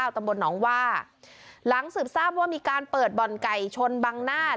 ตำบลหนองว่าหลังสืบทราบว่ามีการเปิดบ่อนไก่ชนบังหน้า